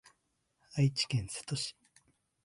愛知県瀬戸市